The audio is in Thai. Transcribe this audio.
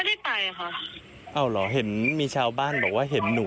ก็บอกว่าไม่ต้องเจอแบบเป็น